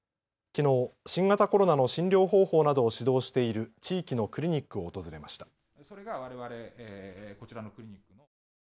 きのう新型コロナの診療方法などを指導している地域のクリニックを訪れました。